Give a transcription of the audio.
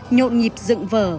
nhộn nhịp dựng vở